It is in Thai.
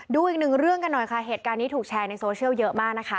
ดูอีกหนึ่งเรื่องกันหน่อยค่ะเหตุการณ์นี้ถูกแชร์ในโซเชียลเยอะมากนะคะ